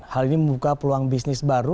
hal ini membuka peluang bisnis baru